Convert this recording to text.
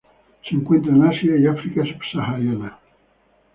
Se encuentra en Asia y África subsahariana.